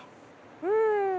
うん。